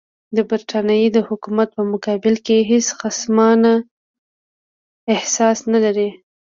د برټانیې د حکومت په مقابل کې هېڅ خصمانه احساس نه لري.